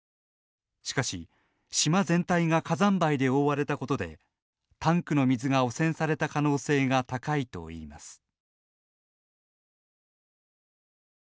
しかし、島全体が火山灰で覆われたことでタンクの水が汚染された可能性が高いといいます。